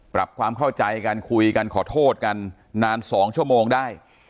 ปรับความเข้าใจกันคุยกันขอโทษกันนาน๒ชั่วโมงได้